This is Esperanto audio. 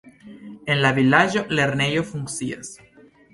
En la vilaĝo lernejo funkcias.